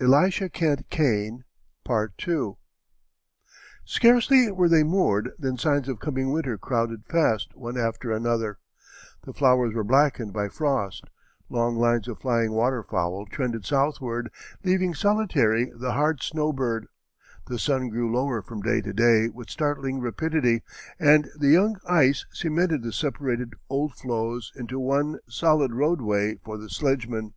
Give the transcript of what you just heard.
[Illustration: The Coming Arctic Night.] Scarcely were they moored than signs of coming winter crowded fast one after another; the flowers were blackened by frost; long lines of flying water fowl trended southward, leaving solitary the hardy snow bird; the sun grew lower from day to day with startling rapidity, and the young ice cemented the separated old floes into one solid roadway for the sledgemen.